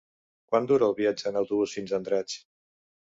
Quant dura el viatge en autobús fins a Andratx?